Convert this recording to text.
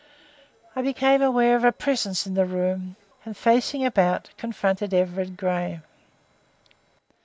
I became aware of a presence in the room, and, facing about, confronted Everard Grey.